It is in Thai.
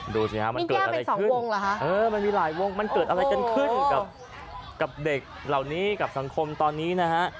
ดูสิฮะมันเกิดอะไรขึ้นมันเกิดอะไรกันขึ้นกับเด็กเหล่านี้กับสังคมตอนนี้นะฮะ